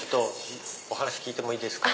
お話聞いてもいいですか？